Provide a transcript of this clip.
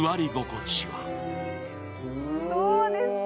どうですか。